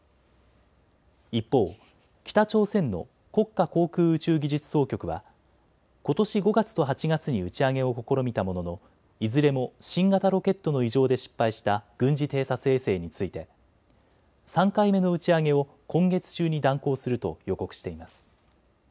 一方、北朝鮮の国家航空宇宙技術総局はことし５月と８月に打ち上げを試みたものの、いずれも新型ロケットの異常で失敗した軍事偵察衛星について３回目の打ち上げを今月中に断行すると予告しています。